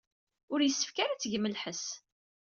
Ur yessefk ara ad tgem lḥess.